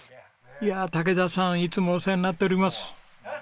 いや武田さんいつもお世話になっております。